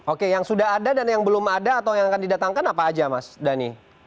oke yang sudah ada dan yang belum ada atau yang akan didatangkan apa aja mas dhani